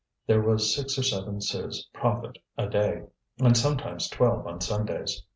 This was six or seven sous profit a day, and sometimes twelve on Sundays.